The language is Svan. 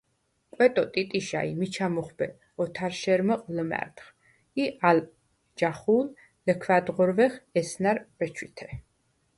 კვეტო ტიტიშა ი მიჩა მუხვბე ოთარშე̄რმჷყ ლჷმა̈რდხ ი ალ ჯახუ̄ლ ლქვ’ ა̄̈დღორვეხ ესნა̈რ, ბეჩვითე.